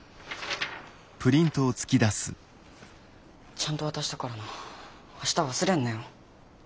ちゃんと渡したからな明日忘れんなよ。